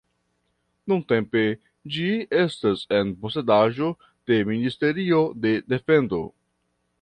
Nuntempe ĝi estas en posedaĵo de Ministerio de defendo.